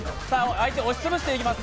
相手を押しつぶしていきます。